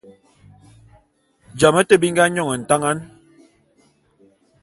Jame te bi nga nyon ntangan.